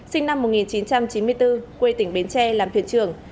sinh năm một nghìn chín trăm chín mươi bốn quê tỉnh bến tre làm thuyền trưởng